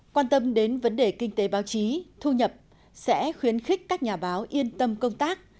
quan tâm đến vấn đề kinh tế báo chí thu nhập sẽ khuyến khích các nhà báo yên tâm công tác